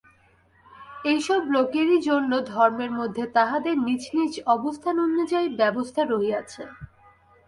এইসব লোকেরই জন্য ধর্মের মধ্যে তাঁহাদের নিজ নিজ অবস্থানুযায়ী ব্যবস্থা রহিয়াছে।